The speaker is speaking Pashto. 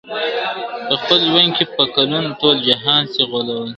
په خپل ژوند کي په کلونو، ټول جهان سې غولولای !.